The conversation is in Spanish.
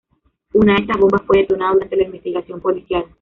Una de estas bombas fue detonada durante la investigación policial.